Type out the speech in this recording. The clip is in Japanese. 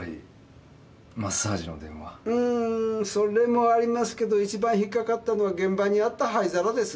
うーん。それもありますけどいちばん引っ掛かったのは現場にあった灰皿です。